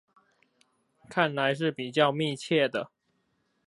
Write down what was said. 看起來是比較密切的